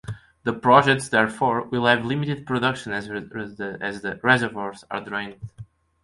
The projects, therefore, will have limited production as the reservoirs are drained.